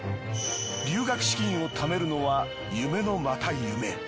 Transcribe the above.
留学資金を貯めるのは夢のまた夢。